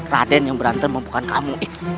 raden yang berantem mau bukan kamu